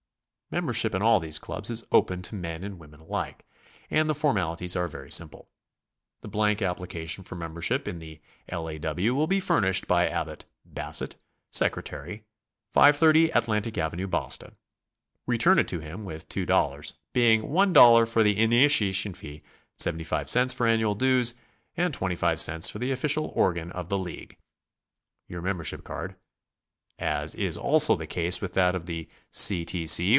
Membership in all these clubs is open to men and women alike, and the formali ties are very simple. The blank application for membership in the L. A. W. will be furnished by Abbot Bassett, Secre tary, 530 Atlantic Ave., Boston. Return it to him with $2.00, being $1.00 for the initiation fee, $0.75 for annual dues, and $0.25 for the ofhcial organ of the League. Your membership card (as is also the case with that of the C. T. C.